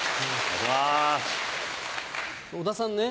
小田さんね